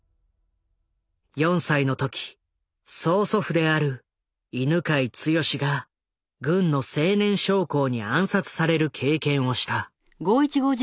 ４歳の時曽祖父である犬養毅が軍の青年将校に暗殺される経験をした。